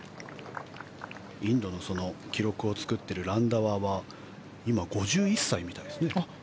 インドの記録を作っているランダワは今、５１歳みたいですね。